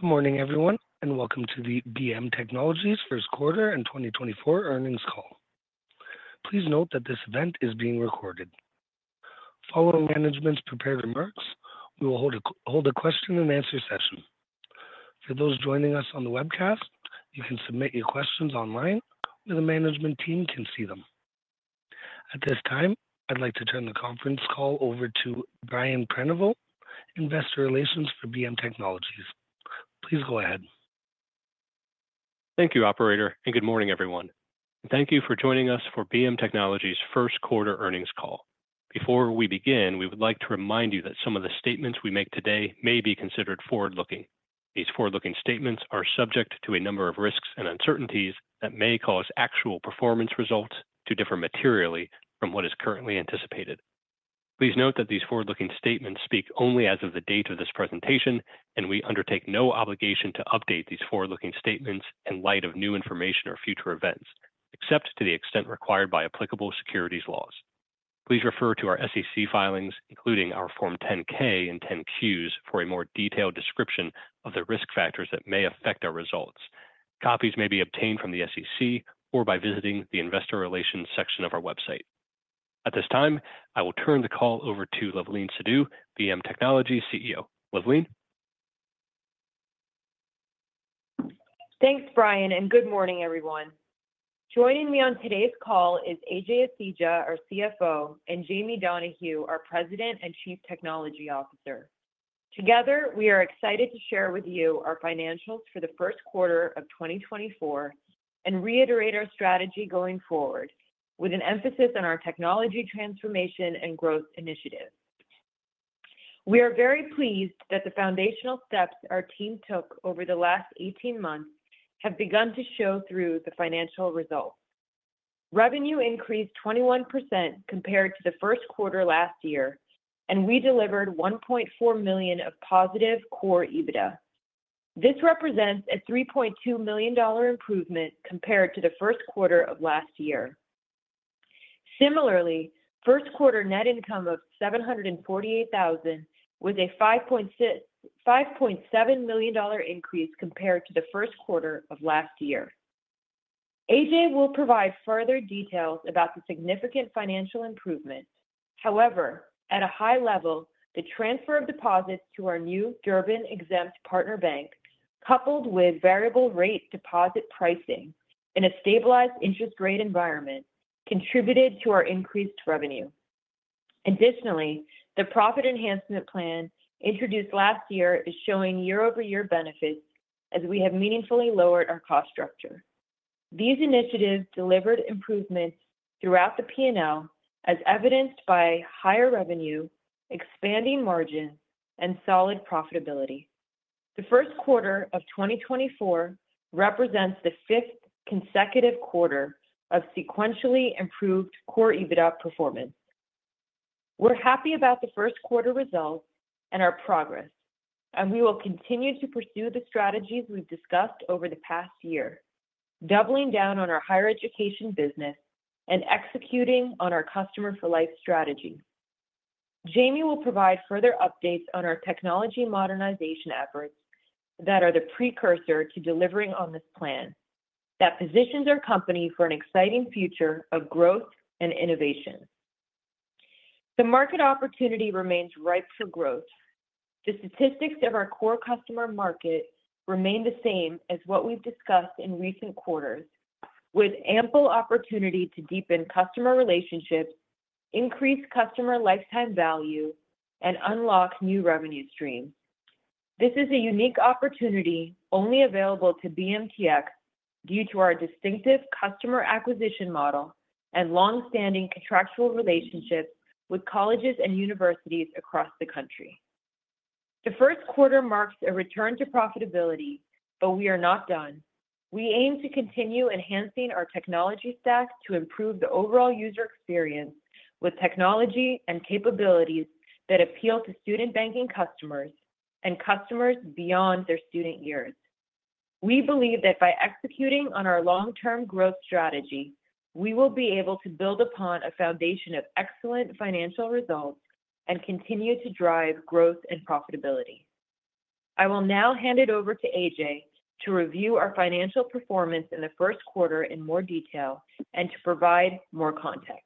Good morning, everyone, and welcome to the BM Technologies first quarter 2024 earnings call. Please note that this event is being recorded. Following management's prepared remarks, we will hold a question and answer session. For those joining us on the webcast, you can submit your questions online, where the management team can see them. At this time, I'd like to turn the conference call over to Brian Prenoveau, Investor Relations for BM Technologies. Please go ahead. Thank you, operator, and good morning, everyone. Thank you for joining us for BM Technologies first quarter earnings call. Before we begin, we would like to remind you that some of the statements we make today may be considered forward-looking. These forward-looking statements are subject to a number of risks and uncertainties that may cause actual performance results to differ materially from what is currently anticipated. Please note that these forward-looking statements speak only as of the date of this presentation, and we undertake no obligation to update these forward-looking statements in light of new information or future events, except to the extent required by applicable securities laws. Please refer to our SEC filings, including our Form 10-K and 10-Qs, for a more detailed description of the risk factors that may affect our results. Copies may be obtained from the SEC or by visiting the investor relations section of our website. At this time, I will turn the call over to Luvleen Sidhu, BM Technologies CEO. Luvleen? Thanks, Brian, and good morning, everyone. Joining me on today's call is Ajay Asija, our CFO, and Jamie Donahue, our President and Chief Technology Officer. Together, we are excited to share with you our financials for the first quarter of 2024 and reiterate our strategy going forward, with an emphasis on our technology transformation and growth initiatives. We are very pleased that the foundational steps our team took over the last 18 months have begun to show through the financial results. Revenue increased 21% compared to the first quarter last year, and we delivered $1.4 million of positive core EBITDA. This represents a $3.2 million improvement compared to the first quarter of last year. Similarly, first quarter net income of $748,000 was a $5.7 million increase compared to the first quarter of last year. Ajay will provide further details about the significant financial improvement. However, at a high level, the transfer of deposits to our new Durbin-exempt partner bank, coupled with variable rate deposit pricing in a stabilized interest rate environment, contributed to our increased revenue. Additionally, the profit enhancement plan introduced last year is showing year-over-year benefits as we have meaningfully lowered our cost structure. These initiatives delivered improvements throughout the P&L, as evidenced by higher revenue, expanding margins, and solid profitability. The first quarter of 2024 represents the fifth consecutive quarter of sequentially improved core EBITDA performance. We're happy about the first quarter results and our progress, and we will continue to pursue the strategies we've discussed over the past year, doubling down on our higher education business and executing on our Customer for Life strategy. Jamie will provide further updates on our technology modernization efforts that are the precursor to delivering on this plan that positions our company for an exciting future of growth and innovation. The market opportunity remains ripe for growth. The statistics of our core customer market remain the same as what we've discussed in recent quarters, with ample opportunity to deepen customer relationships, increase customer lifetime value, and unlock new revenue streams. This is a unique opportunity only available to BMTX due to our distinctive customer acquisition model and long-standing contractual relationships with colleges and universities across the country. The first quarter marks a return to profitability, but we are not done. We aim to continue enhancing our technology stack to improve the overall user experience with technology and capabilities that appeal to student banking customers and customers beyond their student years. We believe that by executing on our long-term growth strategy, we will be able to build upon a foundation of excellent financial results and continue to drive growth and profitability. I will now hand it over to Ajay to review our financial performance in the first quarter in more detail and to provide more context.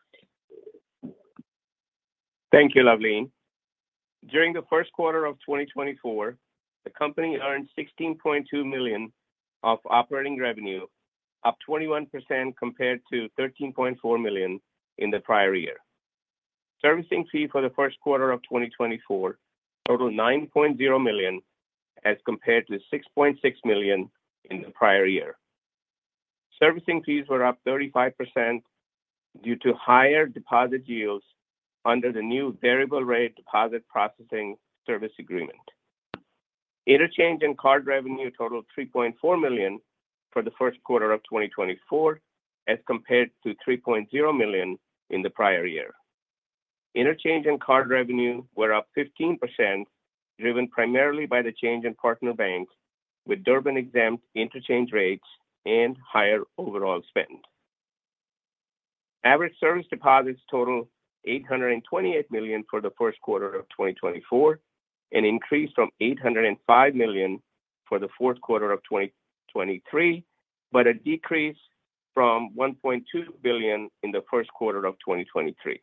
Thank you, Luvleen. During the first quarter of 2024, the company earned $16.2 million of operating revenue, up 21% compared to $13.4 million in the prior year. Servicing fee for the first quarter of 2024 totaled $9.0 million, as compared to $6.6 million in the prior year. Servicing fees were up 35% due to higher deposit yields under the new variable rate deposit processing service agreement. Interchange and card revenue totaled $3.4 million for the first quarter of 2024, as compared to $3.0 million in the prior year. Interchange and card revenue were up 15%, driven primarily by the change in partner banks with Durbin-exempt interchange rates and higher overall spend.... Average service deposits totaled $828 million for the first quarter of 2024, an increase from $805 million for the fourth quarter of 2023, but a decrease from $1.2 billion in the first quarter of 2023.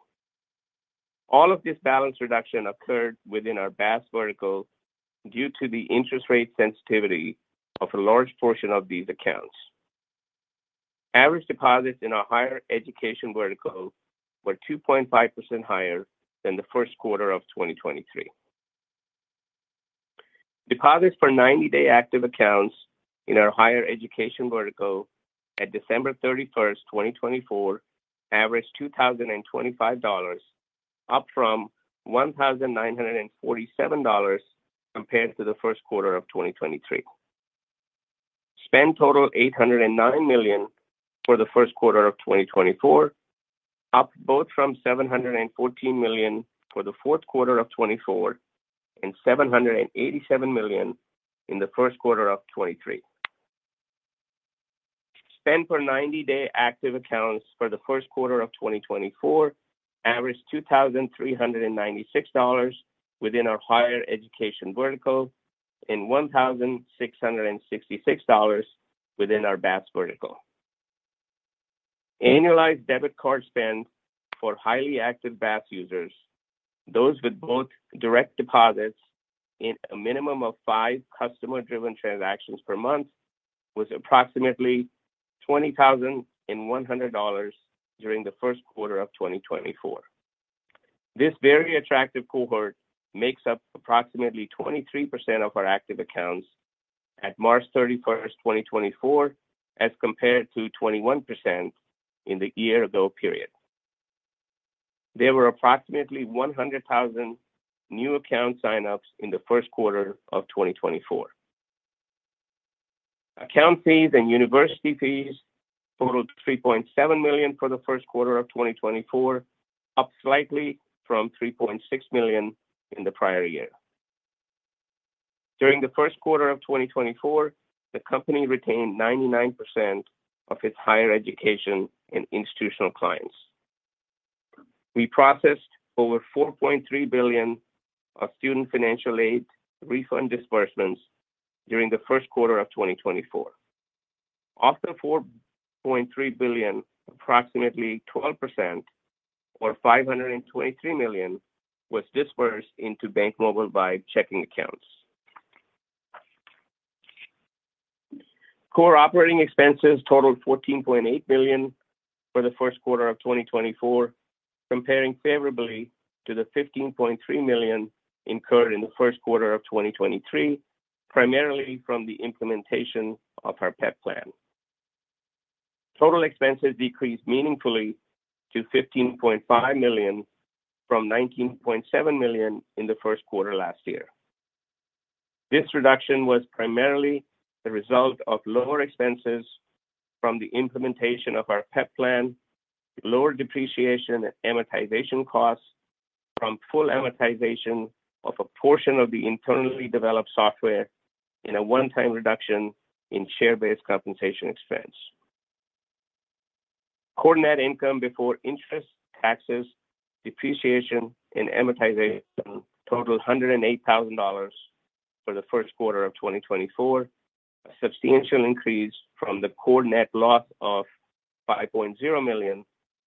All of this balance reduction occurred within our BaaS vertical due to the interest rate sensitivity of a large portion of these accounts. Average deposits in our higher education vertical were 2.5% higher than the first quarter of 2023. Deposits for ninety-day active accounts in our higher education vertical at December 31st, 2024, averaged $2,025, up from $1,947 compared to the first quarter of 2023. Spend totaled $809 million for the first quarter of 2024, up both from $714 million for the fourth quarter of 2024 and $787 million in the first quarter of 2023. Spend per 90-day active accounts for the first quarter of 2024 averaged $2,396 within our higher education vertical and $1,666 within our BaaS vertical. Annualized debit card spend for highly active BaaS users, those with both direct deposits and a minimum of 5 customer-driven transactions per month, was approximately $20,100 during the first quarter of 2024. This very attractive cohort makes up approximately 23% of our active accounts at March 31, 2024, as compared to 21% in the year-ago period. There were approximately 100,000 new account signups in the first quarter of 2024. Account fees and university fees totaled $3.7 million for the first quarter of 2024, up slightly from $3.6 million in the prior year. During the first quarter of 2024, the company retained 99% of its higher education and institutional clients. We processed over $4.3 billion of student financial aid refund disbursements during the first quarter of 2024. Of the $4.3 billion, approximately 12%, or $523 million, was disbursed into BankMobile Vibe checking accounts. Core operating expenses totaled $14.8 billion for the first quarter of 2024, comparing favorably to the $15.3 million incurred in the first quarter of 2023, primarily from the implementation of our PEP plan. Total expenses decreased meaningfully to $15.5 million from $19.7 million in the first quarter last year. This reduction was primarily the result of lower expenses from the implementation of our PEP plan, lower depreciation and amortization costs from full amortization of a portion of the internally developed software, and a one-time reduction in share-based compensation expense. Core net income before interest, taxes, depreciation, and amortization totaled $108,000 for the first quarter of 2024, a substantial increase from the core net loss of $5.0 million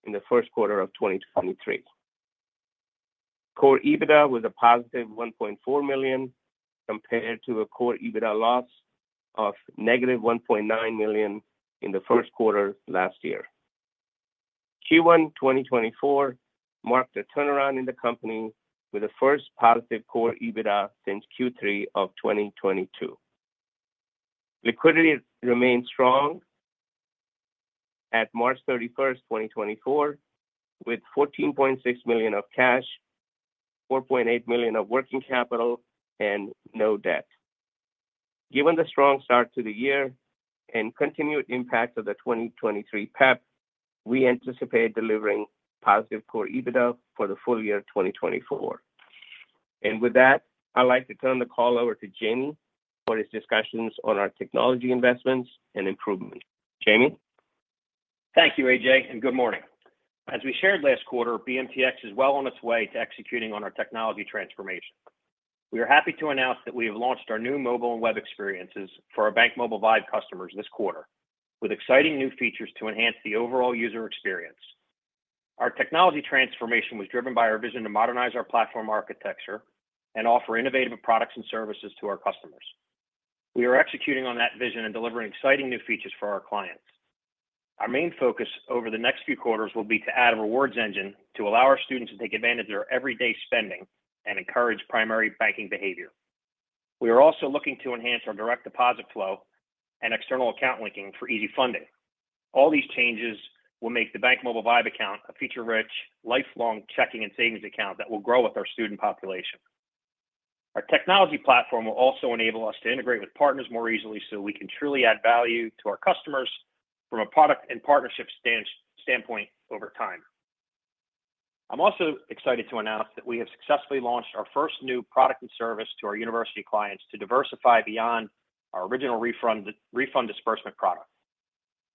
in the first quarter of 2023. Core EBITDA was a +$1.4 million, compared to a core EBITDA loss of -$1.9 million in the first quarter last year. Q1 2024 marked a turnaround in the company with the first positive core EBITDA since Q3 of 2022. Liquidity remains strong at March 31st, 2024, with $14.6 million of cash, $4.8 million of working capital, and no debt. Given the strong start to the year and continued impact of the 2023 PEP, we anticipate delivering positive core EBITDA for the full year of 2024. And with that, I'd like to turn the call over to Jamie for his discussions on our technology investments and improvements. Jamie? Thank you, AJ, and good morning. As we shared last quarter, BMTX is well on its way to executing on our technology transformation. We are happy to announce that we have launched our new mobile and web experiences for our BankMobile Vibe customers this quarter, with exciting new features to enhance the overall user experience. Our technology transformation was driven by our vision to modernize our platform architecture and offer innovative products and services to our customers. We are executing on that vision and delivering exciting new features for our clients. Our main focus over the next few quarters will be to add a rewards engine to allow our students to take advantage of their everyday spending and encourage primary banking behavior. We are also looking to enhance our direct deposit flow and external account linking for easy funding. All these changes will make the BankMobile Vibe account a feature-rich, lifelong checking and savings account that will grow with our student population. Our technology platform will also enable us to integrate with partners more easily, so we can truly add value to our customers from a product and partnership standpoint over time... I'm also excited to announce that we have successfully launched our first new product and service to our university clients to diversify beyond our original refund disbursement product.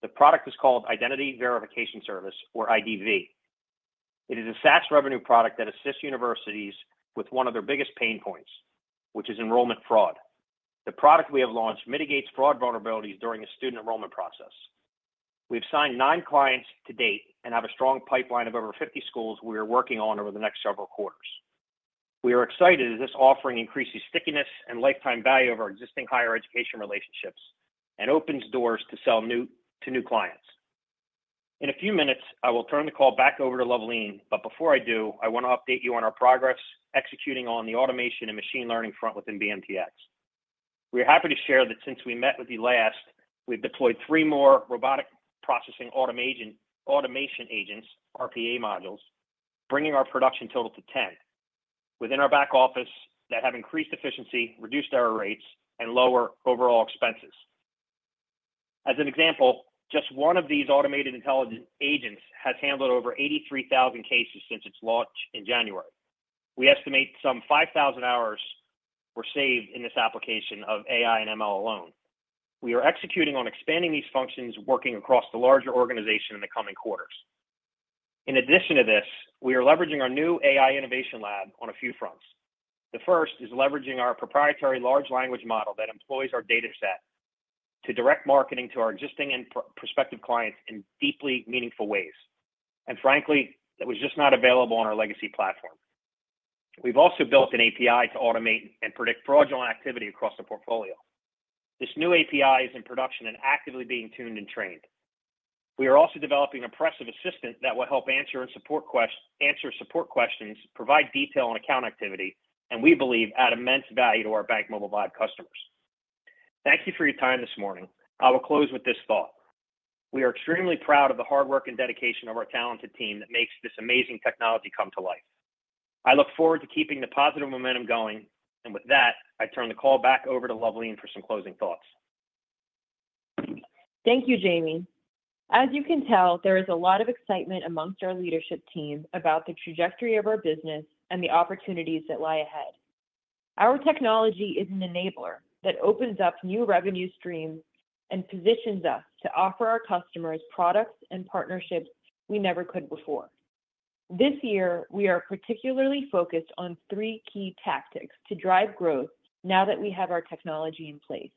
The product is called Identity Verification Service, or IDV. It is a SaaS revenue product that assists universities with one of their biggest pain points, which is enrollment fraud. The product we have launched mitigates fraud vulnerabilities during the student enrollment process. We've signed nine clients to date and have a strong pipeline of over 50 schools we are working on over the next several quarters. We are excited as this offering increases stickiness and lifetime value of our existing higher education relationships and opens doors to sell new to new clients. In a few minutes, I will turn the call back over to Luvleen, but before I do, I want to update you on our progress executing on the automation and machine learning front within BMTX. We are happy to share that since we met with you last, we've deployed three more robotic process automation, automation agents, RPA modules, bringing our production total to 10 within our back office that have increased efficiency, reduced error rates, and lower overall expenses. As an example, just one of these automated intelligent agents has handled over 83,000 cases since its launch in January. We estimate some 5,000 hours were saved in this application of AI and ML alone. We are executing on expanding these functions, working across the larger organization in the coming quarters. In addition to this, we are leveraging our new AI innovation lab on a few fronts. The first is leveraging our proprietary large language model that employs our dataset to direct marketing to our existing and prospective clients in deeply meaningful ways. And frankly, it was just not available on our legacy platform. We've also built an API to automate and predict fraudulent activity across the portfolio. This new API is in production and actively being tuned and trained. We are also developing an impressive assistant that will help answer and support questions, provide detail on account activity, and we believe, add immense value to our BankMobile Vibe customers. Thank you for your time this morning. I will close with this thought: We are extremely proud of the hard work and dedication of our talented team that makes this amazing technology come to life. I look forward to keeping the positive momentum going, and with that, I turn the call back over to Luvleen for some closing thoughts. Thank you, Jamie. As you can tell, there is a lot of excitement among our leadership team about the trajectory of our business and the opportunities that lie ahead. Our technology is an enabler that opens up new revenue streams and positions us to offer our customers products and partnerships we never could before. This year, we are particularly focused on three key tactics to drive growth now that we have our technology in place.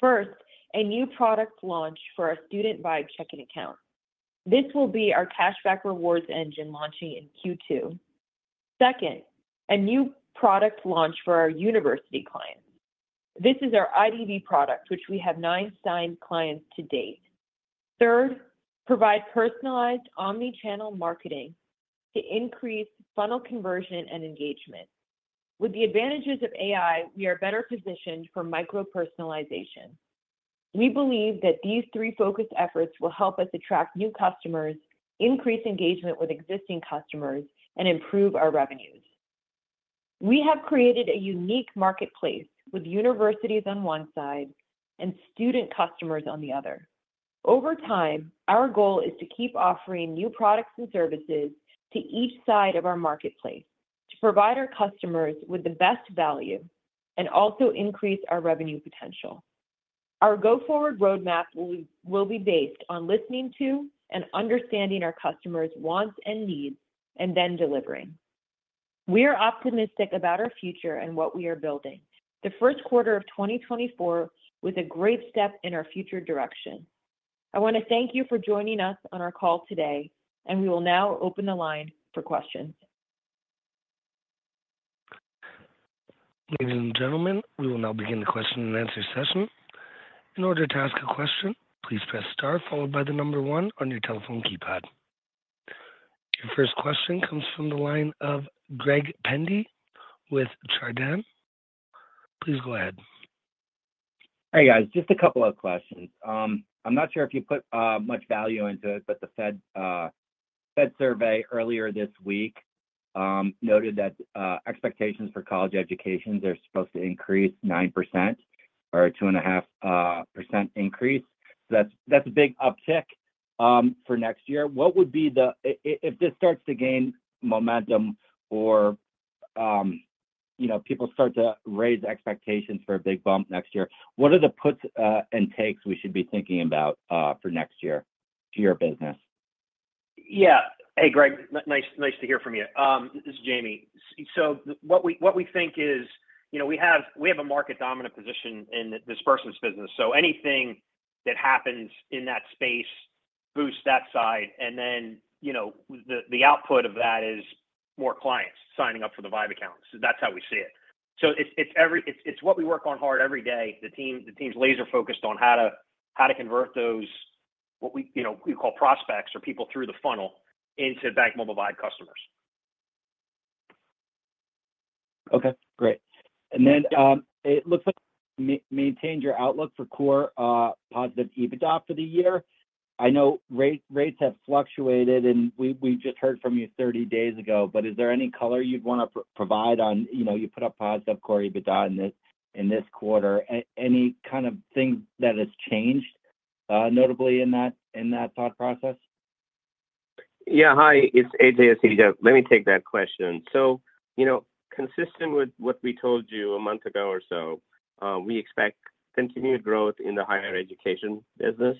First, a new product launch for our student Vibe checking account. This will be our cashback rewards engine launching in Q2. Second, a new product launch for our university clients. This is our IDV product, which we have nine signed clients to date. Third, provide personalized omni-channel marketing to increase funnel conversion and engagement. With the advantages of AI, we are better positioned for micro-personalization. We believe that these three focused efforts will help us attract new customers, increase engagement with existing customers, and improve our revenues. We have created a unique marketplace with universities on one side and student customers on the other. Over time, our goal is to keep offering new products and services to each side of our marketplace to provide our customers with the best value and also increase our revenue potential. Our go-forward roadmap will be based on listening to and understanding our customers' wants and needs and then delivering. We are optimistic about our future and what we are building. The first quarter of 2024 was a great step in our future direction. I want to thank you for joining us on our call today, and we will now open the line for questions. Ladies and gentlemen, we will now begin the question and answer session. In order to ask a question, please press star followed by the number one on your telephone keypad. Your first question comes from the line of Greg Pendy with Chardan. Please go ahead. Hey, guys, just a couple of questions. I'm not sure if you put much value into it, but the Fed survey earlier this week noted that expectations for college educations are supposed to increase 9% or a 2.5% increase. So that's a big uptick for next year. What would be the... If this starts to gain momentum or, you know, people start to raise expectations for a big bump next year, what are the puts and takes we should be thinking about for next year to your business? Yeah. Hey, Greg, nice to hear from you. This is Jamie. So what we think is, you know, we have a market dominant position in the disbursements business, so anything that happens in that space boosts that side. And then, you know, the output of that is more clients signing up for the Vibe account. So that's how we see it. So it's what we work on hard every day. The team's laser focused on how to convert those, what we, you know, we call prospects or people through the funnel into BankMobile Vibe customers. Okay, great. And then, it looks like you maintained your outlook for positive core EBITDA for the year. I know rates have fluctuated, and we just heard from you 30 days ago, but is there any color you'd want to provide on... You know, you put up positive core EBITDA in this quarter. Any kind of thing that has changed?... notably in that thought process? Yeah, hi, it's Ajay Asija. Let me take that question. So, you know, consistent with what we told you a month ago or so, we expect continued growth in the higher education business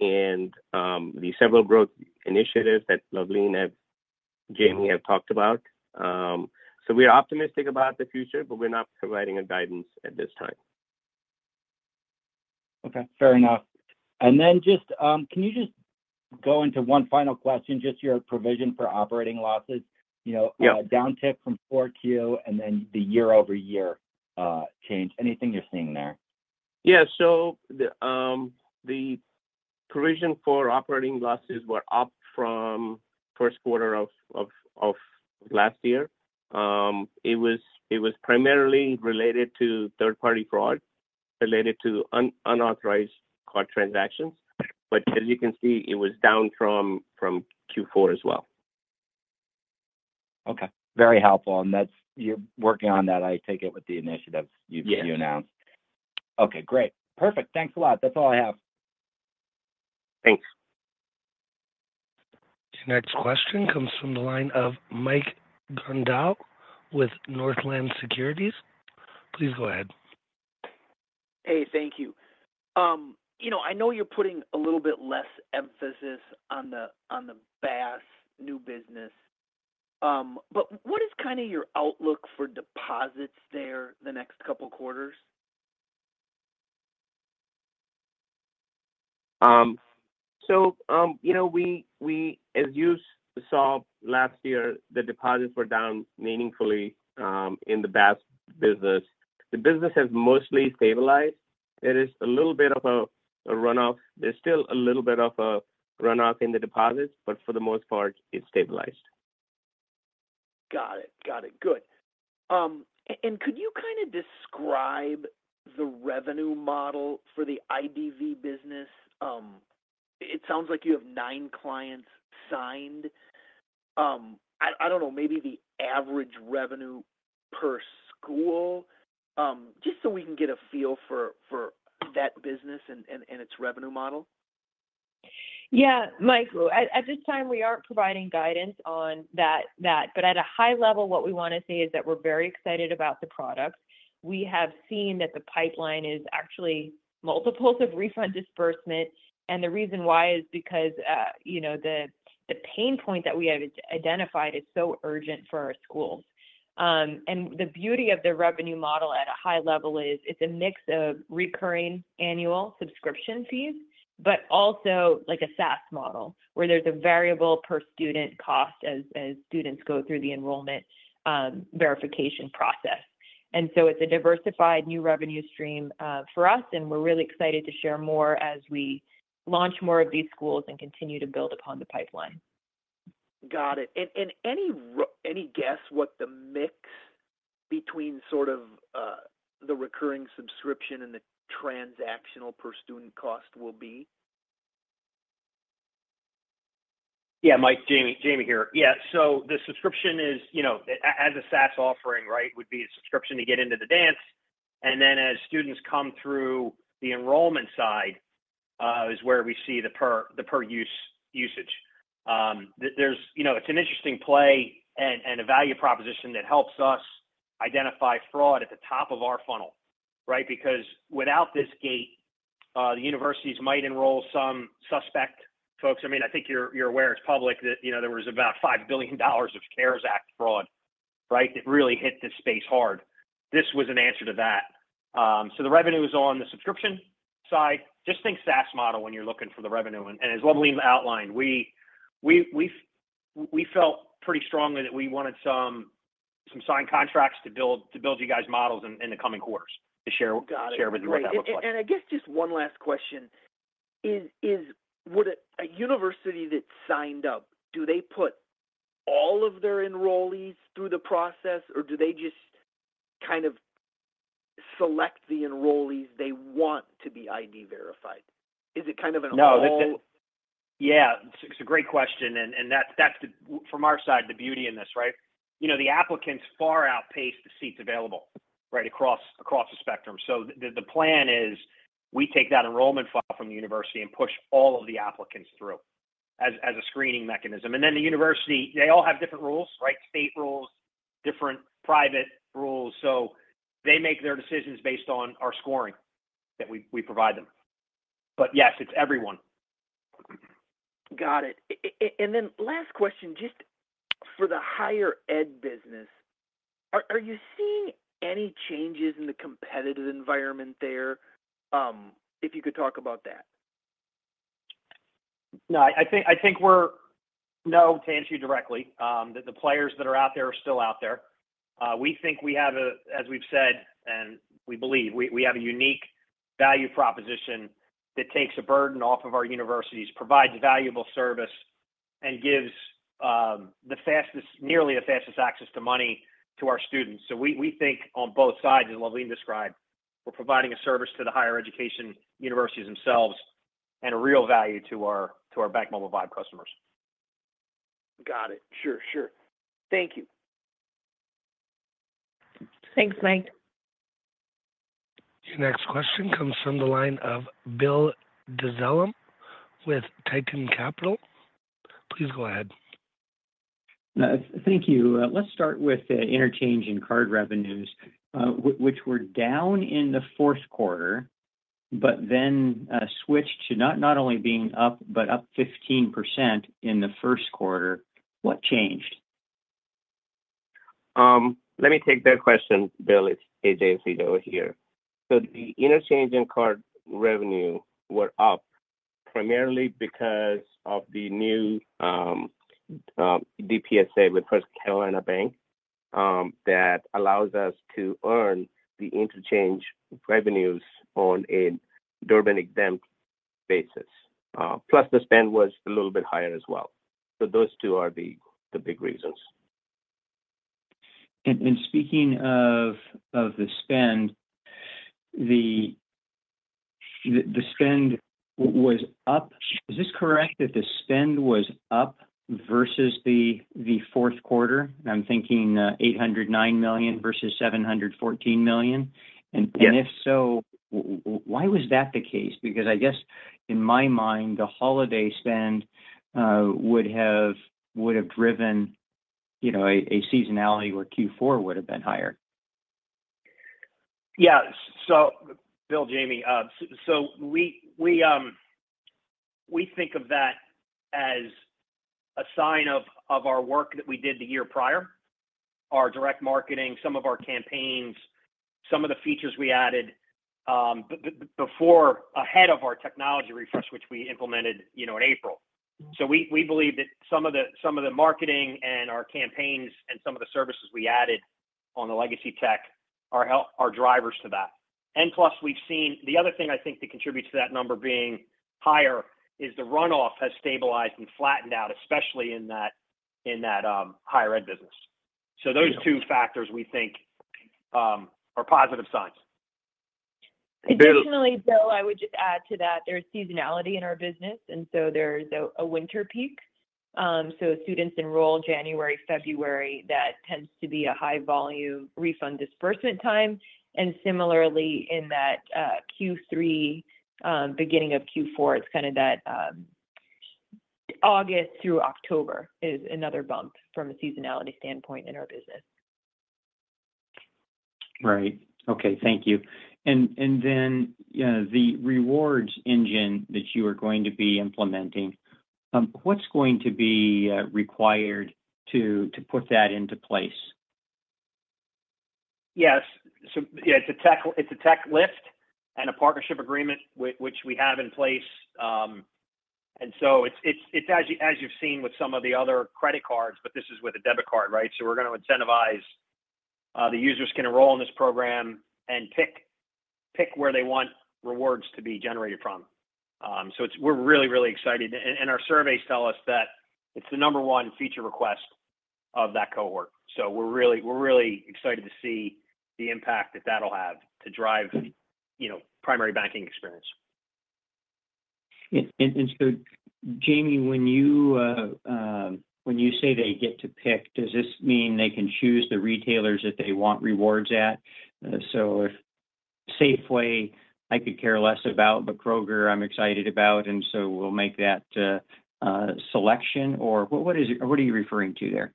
and the several growth initiatives that Luvleen and Jamie have talked about. So we're optimistic about the future, but we're not providing a guidance at this time. Okay, fair enough. And then just, can you just go into one final question, just your provision for operating losses? You know- Yeah - a downtick from 4Q, and then the year-over-year change. Anything you're seeing there? Yeah. So the provision for operating losses were up from first quarter of last year. It was primarily related to third-party fraud, related to unauthorized card transactions, but as you can see, it was down from Q4 as well. Okay. Very helpful, and that's-- you're working on that, I take it, with the initiatives you- Yeah You announced. Okay, great. Perfect. Thanks a lot. That's all I have. Thanks. The next question comes from the line of Mike Grondahl with Northland Securities. Please go ahead. Hey, thank you. You know, I know you're putting a little bit less emphasis on the, on the BaaS new business, but what is kinda your outlook for deposits there the next couple quarters? So, you know, we as you saw last year, the deposits were down meaningfully in the BaaS business. The business has mostly stabilized. There is a little bit of a runoff. There's still a little bit of a runoff in the deposits, but for the most part, it's stabilized. Got it. Got it. Good. And could you kinda describe the revenue model for the IDV business? It sounds like you have nine clients signed. I don't know, maybe the average revenue per school, just so we can get a feel for that business and its revenue model. Yeah, Mike, at this time, we aren't providing guidance on that, but at a high level, what we wanna say is that we're very excited about the product. We have seen that the pipeline is actually multiples of refund disbursement, and the reason why is because, you know, the pain point that we have identified is so urgent for our schools. And the beauty of the revenue model at a high level is, it's a mix of recurring annual subscription fees, but also like a SaaS model, where there's a variable per student cost as students go through the enrollment verification process. And so it's a diversified new revenue stream for us, and we're really excited to share more as we launch more of these schools and continue to build upon the pipeline. Got it. And any guess what the mix between sort of the recurring subscription and the transactional per student cost will be? Yeah, Mike, Jamie, Jamie here. Yeah, so the subscription is, you know, as a SaaS offering, right, would be a subscription to get into the dance. And then, as students come through the enrollment side, is where we see the per-use usage. There's, you know, it's an interesting play and, and a value proposition that helps us identify fraud at the top of our funnel, right? Because without this gate, the universities might enroll some suspect folks. I mean, I think you're, you're aware, it's public, that, you know, there was about $5 billion of CARES Act fraud, right? It really hit this space hard. This was an answer to that. So the revenue is on the subscription side. Just think SaaS model when you're looking for the revenue. As Luvleen outlined, we felt pretty strongly that we wanted some signed contracts to build you guys' models in the coming quarters, to share- Got it... share with you what that looks like. I guess just one last question: would a university that's signed up do they put all of their enrollees through the process, or do they just kind of select the enrollees they want to be ID verified? Is it kind of an all- No, it's. Yeah, it's a great question, and that's the, from our side, the beauty in this, right? You know, the applicants far outpace the seats available, right, across the spectrum. So the plan is, we take that enrollment file from the university and push all of the applicants through as a screening mechanism. And then the university, they all have different rules, right? State rules, different private rules, so they make their decisions based on our scoring that we provide them. But yes, it's everyone. Got it. And then last question, just for the higher ed business, are you seeing any changes in the competitive environment there? If you could talk about that. No, to answer you directly, the players that are out there are still out there. We think we have, as we've said, and we believe we have a unique value proposition that takes a burden off of our universities, provides valuable service, and gives the fastest, nearly the fastest access to money to our students. So we think on both sides, as Luvleen described, we're providing a service to the higher education universities themselves and a real value to our BankMobile Vibe customers. Got it. Sure, sure. Thank you. ... Thanks, Mike. Your next question comes from the line of Bill Dezellem with Tieton Capital. Please go ahead. Thank you. Let's start with the interchange in card revenues, which were down in the fourth quarter, but then switched to not only being up, but up 15% in the first quarter. What changed? Let me take that question, Bill. It's Ajay Asija here. So the interchange in card revenue were up primarily because of the new DPSA with First Carolina Bank that allows us to earn the interchange revenues on a Durbin-exempt basis. Plus, the spend was a little bit higher as well. So those two are the big reasons. Speaking of the spend, the spend was up. Is this correct, that the spend was up versus the fourth quarter? I'm thinking $809 million versus $714 million. Yes. And if so, why was that the case? Because I guess, in my mind, the holiday spend would have driven, you know, a seasonality where Q4 would have been higher. Yeah. So Bill, Jamie, so we think of that as a sign of our work that we did the year prior, our direct marketing, some of our campaigns, some of the features we added before ahead of our technology refresh, which we implemented, you know, in April. So we believe that some of the marketing and our campaigns and some of the services we added on the legacy tech are drivers to that. And plus, we've seen. The other thing I think that contributes to that number being higher is the runoff has stabilized and flattened out, especially in that higher ed business. So those two factors, we think, are positive signs. Additionally, Bill, I would just add to that, there's seasonality in our business, and so there's a winter peak. So students enroll January, February, that tends to be a high volume refund disbursement time. And similarly, in that Q3, beginning of Q4, it's kind of that, August through October is another bump from a seasonality standpoint in our business. Right. Okay, thank you. And then, the rewards engine that you are going to be implementing, what's going to be required to put that into place? Yes. So, yeah, it's a tech lift and a partnership agreement with which we have in place. And so it's as you've seen with some of the other credit cards, but this is with a debit card, right? So we're going to incentivize the users can enroll in this program and pick where they want rewards to be generated from. So it's we're really excited, and our surveys tell us that it's the number one feature request of that cohort. So we're really excited to see the impact that that'll have to drive, you know, primary banking experience. So Jamie, when you say they get to pick, does this mean they can choose the retailers that they want rewards at? So if Safeway, I could care less about, but Kroger, I'm excited about, and so we'll make that selection? Or what is it—what are you referring to there?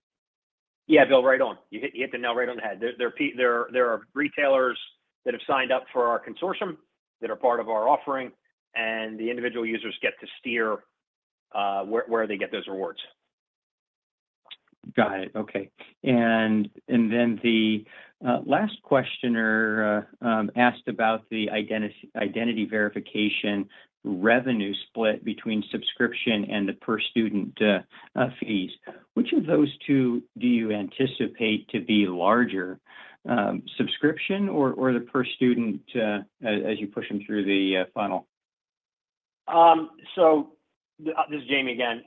Yeah, Bill, right on. You hit, you hit the nail right on the head. There are retailers that have signed up for our consortium, that are part of our offering, and the individual users get to steer where they get those rewards. Got it. Okay. And then the last questioner asked about the identity verification revenue split between subscription and the per student fees. Which of those two do you anticipate to be larger, subscription or the per student, as you push them through the funnel? So this is Jamie again,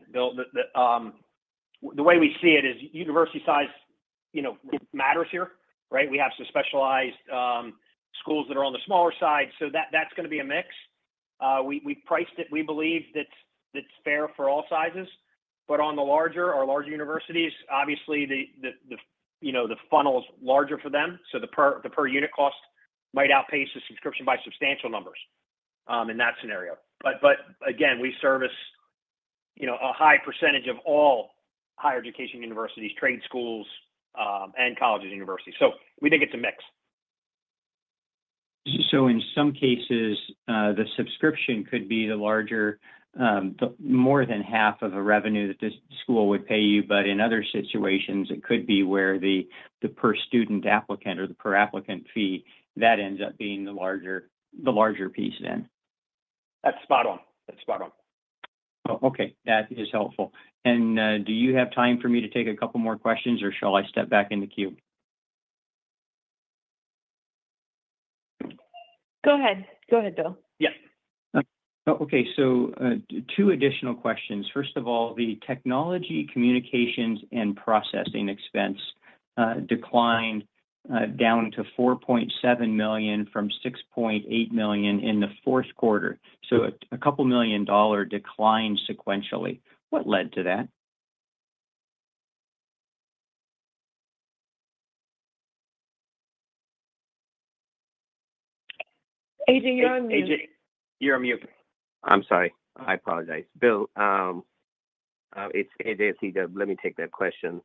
Bill. The way we see it is university size, you know, matters here, right? We have some specialized schools that are on the smaller side, so that's going to be a mix. We priced it. We believe that's fair for all sizes, but on the larger universities, obviously, the you know, the funnel is larger for them, so the per unit cost might outpace the subscription by substantial numbers in that scenario. But again, we service, you know, a high percentage of all higher education universities, trade schools, and colleges, universities. So we think it's a mix. So in some cases, the subscription could be the larger, the more than half of the revenue that this school would pay you, but in other situations, it could be where the, the per student applicant or the per applicant fee, that ends up being the larger, the larger piece then? That's spot on. That's spot on. Oh, okay. That is helpful. And, do you have time for me to take a couple more questions, or shall I step back in the queue? Go ahead. Go ahead, Bill. Yeah. Okay. So, two additional questions. First of all, the technology, communications, and processing expense declined down to $4.7 million from $6.8 million in the fourth quarter. So a couple million dollar decline sequentially. What led to that? AJ, you're on mute. AJ, you're on mute. I'm sorry. I apologize. Bill, it's Ajay Asija. Let me take that question.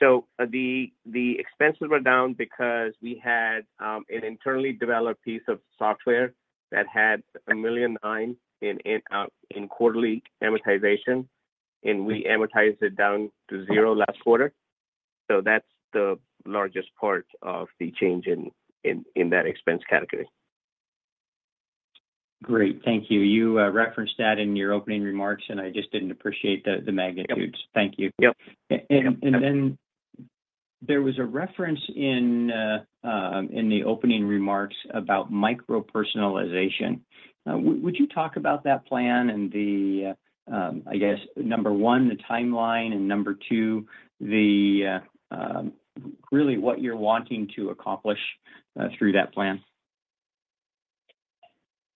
So the expenses were down because we had an internally developed piece of software that had $1.9 million in quarterly amortization, and we amortized it down to zero last quarter. So that's the largest part of the change in that expense category. Great. Thank you. You referenced that in your opening remarks, and I just didn't appreciate the magnitudes. Yep. Thank you. Yep. And then there was a reference in the opening remarks about micro-personalization. Would you talk about that plan and the, I guess, number one, the timeline, and number two, the really what you're wanting to accomplish through that plan?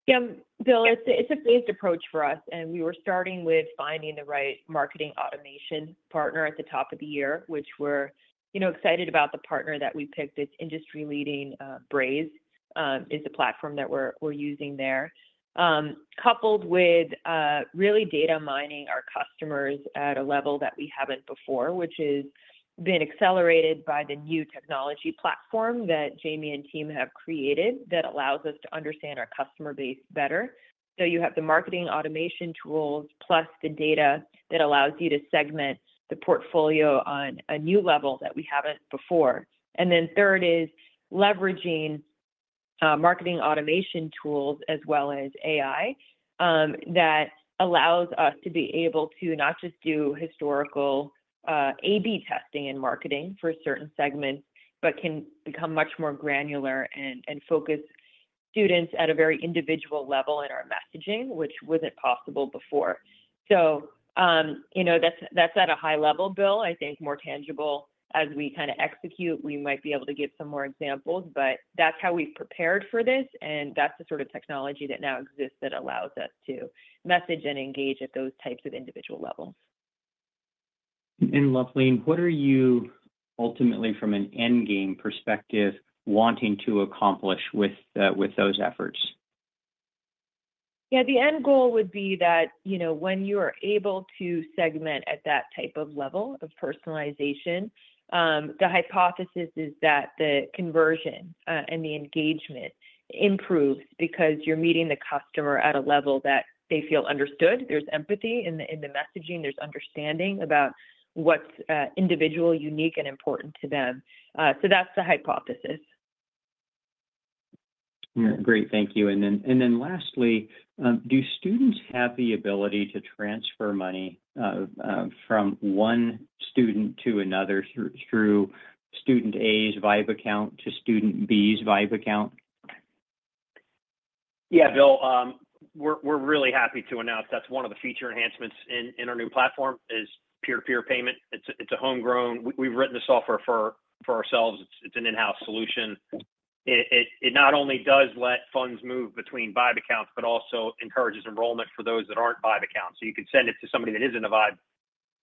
Yeah, Bill, it's a phased approach for us, and we were starting with finding the right marketing automation partner at the top of the year, which we're, you know, excited about the partner that we picked. It's industry-leading, Braze is the platform that we're using there. Coupled with really data mining our customers at a level that we haven't before, which has been accelerated by the new technology platform that Jamie and team have created that allows us to understand our customer base better. So you have the marketing automation tools, plus the data that allows you to segment the portfolio on a new level that we haven't before. Then third is leveraging marketing automation tools as well as AI that allows us to be able to not just do historical AB testing and marketing for a certain segment, but can become much more granular and focus students at a very individual level in our messaging, which wasn't possible before. So you know that's that's at a high level, Bill. I think more tangible as we kinda execute, we might be able to give some more examples, but that's how we've prepared for this, and that's the sort of technology that now exists that allows us to message and engage at those types of individual levels. Luvleen, what are you, ultimately from an end game perspective, wanting to accomplish with, with those efforts? Yeah, the end goal would be that, you know, when you are able to segment at that type of level of personalization, the hypothesis is that the conversion and the engagement improves because you're meeting the customer at a level that they feel understood. There's empathy in the messaging. There's understanding about what's individual, unique, and important to them. So that's the hypothesis. Great. Thank you. And then lastly, do students have the ability to transfer money from one student to another through student A's Vibe account to student B's Vibe account? Yeah, Bill, we're really happy to announce that's one of the feature enhancements in our new platform is peer-to-peer payment. It's a homegrown... We've written the software for ourselves. It's an in-house solution. It not only does let funds move between Vibe accounts, but also encourages enrollment for those that aren't Vibe accounts. So you could send it to somebody that isn't a Vibe,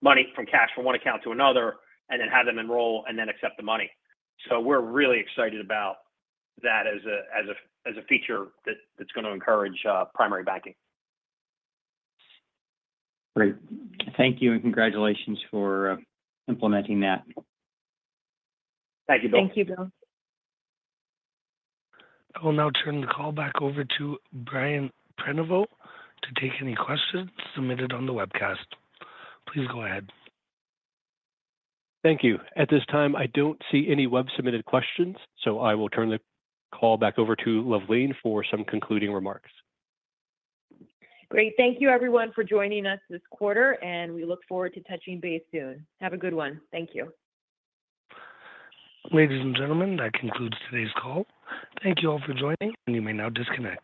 money from cash from one account to another, and then have them enroll and then accept the money. So we're really excited about that as a feature that's gonna encourage primary banking. Great. Thank you, and congratulations for implementing that. Thank you, Bill. Thank you, Bill. I will now turn the call back over to Brian Prenoveau to take any questions submitted on the webcast. Please go ahead. Thank you. At this time, I don't see any web-submitted questions, so I will turn the call back over to Luvleen for some concluding remarks. Great. Thank you, everyone, for joining us this quarter, and we look forward to touching base soon. Have a good one. Thank you. Ladies and gentlemen, that concludes today's call. Thank you all for joining, and you may now disconnect.